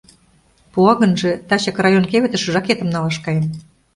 Пуа гынже, тачак район кевытыш жакетым налаш каем.